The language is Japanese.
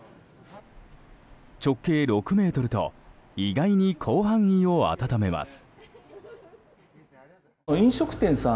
直径６ｍと意外に広範囲を暖めます。